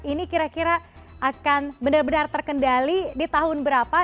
ini kira kira akan benar benar terkendali di tahun berapa